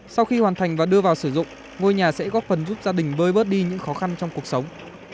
sau khi hoàn thành và đưa vào sử dụng ngôi nhà sẽ góp phần giúp gia đình bơi bớt đi những khó khăn trong cuộc sống